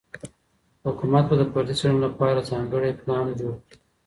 حکومت به د فردي څېړنو لپاره ځانګړی پلان جوړ کړي.